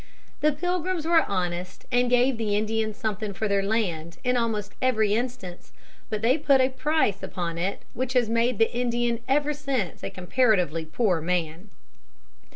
The Pilgrims were honest, and gave the Indians something for their land in almost every instance, but they put a price upon it which has made the Indian ever since a comparatively poor man.